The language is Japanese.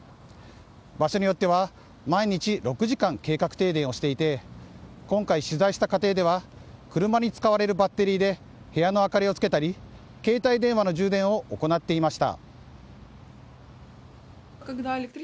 場所によっては毎日６時間計画停電をしていて今回取材した家庭では車に使うバッテリーで部屋の明かりをつけたり携帯電話の充電を行っていました。